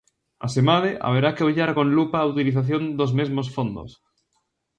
Asemade, haberá que ollar con lupa a utilización dos mesmos fondos.